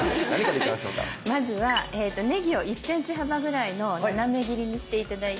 まずはねぎを１ｃｍ幅ぐらいの斜め切りにして頂いて。